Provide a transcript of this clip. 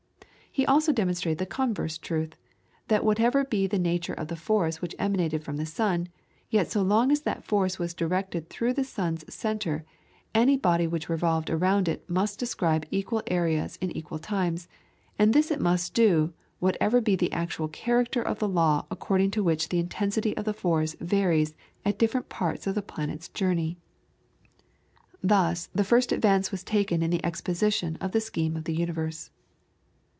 He also demonstrated the converse truth, that whatever be the nature of the force which emanated from a sun, yet so long as that force was directed through the sun's centre, any body which revolved around it must describe equal areas in equal times, and this it must do, whatever be the actual character of the law according to which the intensity of the force varies at different parts of the planet's journey. Thus the first advance was taken in the exposition of the scheme of the universe.